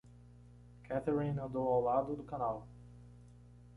Catherine andou ao lado do canal.